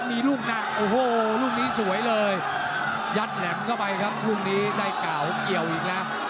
มีลูกหนักโอ้โหลูกนี้สวยเลยยัดแหลมเข้าไปครับลูกนี้ได้เก๋าเกี่ยวอีกแล้ว